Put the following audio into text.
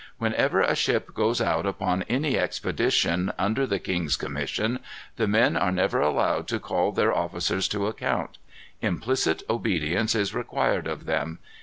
Whenever a ship goes out upon any expedition, under the king's commission, the men are never allowed to call their officers to account. Implicit obedience is required of them.